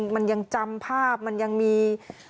มันยังจำภาพมันยังมี